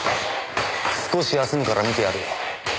少し休むから見てやるよ。